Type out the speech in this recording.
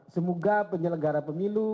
semoga penyelenggara pemilu